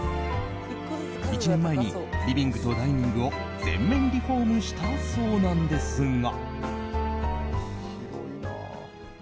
１年前にリビングとダイニングを全面リフォームしたそうなんですが。